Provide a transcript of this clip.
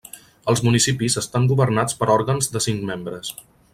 Els municipis estan governats per òrgans de cinc membres.